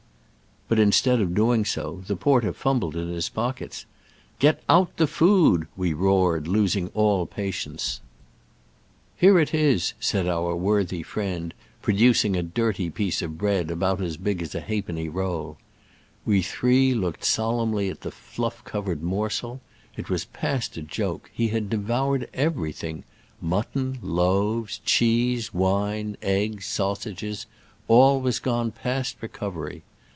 But instead of doing so, the porter fumbled in his pockets. "Get out the food," we roared, losing all patience. Here it is," said our worthy Digitized by Google SCRAMBLES AMONGST THE ALPS 341 friend, producing a dirty piece of bread about as big as a half penny roll. We three looked solemnly at the fluff cover ed morsel. It was past a joke — he had devoured everything. Mutton, loaves, cheese, wine, eggs, sausages — all was gone past recovery.